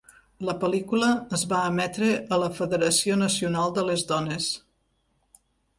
La pel·lícula es va emetre a la Federació Nacional de les Dones.